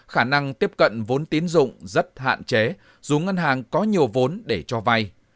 khả năng tiếp cận vốn tín dụng rất hạn chế dù ngân hàng có nhiều vốn để cho vay